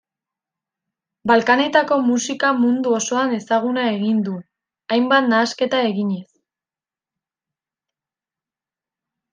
Balkanetako musika mundu osoan ezaguna egin du, hainbat nahasketa eginez.